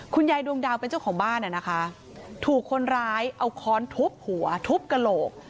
คุณยายดวงดาวเป็นเจ้าของบ้านนะคะถูกคนร้ายเอาค้อนทุบหัวทุบกระโหลก